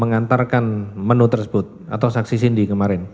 mengantarkan menu tersebut atau saksi cindy kemarin